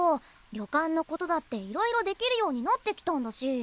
旅館のことだっていろいろできるようになってきたんだし。